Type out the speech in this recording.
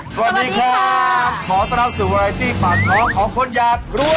สวัสดีค่ะขอสนับสวัสดีที่ปราณ์ครองของคนอยากรู้